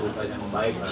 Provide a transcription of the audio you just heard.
sudah menjalankan pembelian